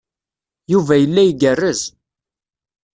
Yuba yella igerrez.